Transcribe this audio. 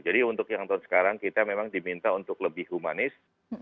jadi untuk yang tahun sekarang kita memang diminta untuk lebih humanis